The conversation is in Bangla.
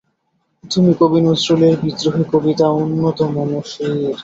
তুমি কবি নজরুলের বিদ্রোহী কবিতা উন্নত মম্ শীর।